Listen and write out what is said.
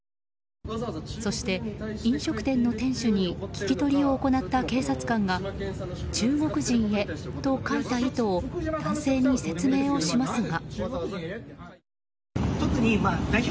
そして、飲食店の店主に聞き取りを行った警察官が「中国人へ。」と書いた意図を男性に説明をしますが。